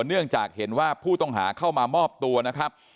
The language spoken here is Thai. เนื่องจากเห็นว่าผู้ต้องหาเข้ามามอบตัวนะครับ